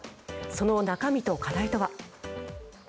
その中身と課題とは。